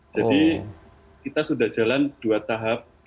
jadi kita sudah jalan dua tahap